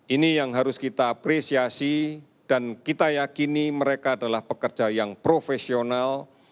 ini yang harus kita apresiasi dan kita yakini mereka adalah pekerja yang profesional